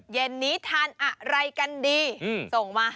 เย็นนี้ทานอะไรกันดีส่งมา